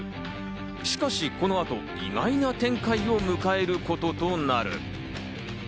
しかしこの後、意外な展開を迎えることとなる。